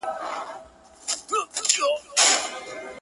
خپه په دې يم چي زه مرمه او پاتيږي ژوند.